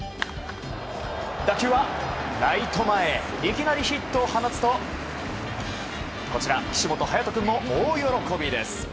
打球はライト前いきなりヒットを放つと岸本勇人君も大喜びです。